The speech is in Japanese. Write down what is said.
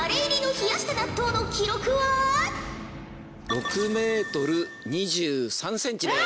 ６ｍ２３ｃｍです！